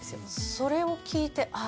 それを聞いてああ